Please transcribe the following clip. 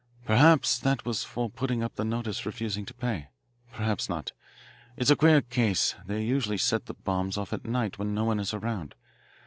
Perhaps that was for putting up the notice refusing to pay. Perhaps not. It's a queer case they usually set the bombs off at night when no one is around.